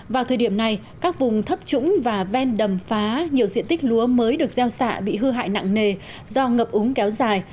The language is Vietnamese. vào thời điểm này các vùng thấp trũng và ven đầm phá nhiều diện tích lúa mới được gieo xạ bị hư hại nặng nề do ngập úng kéo dài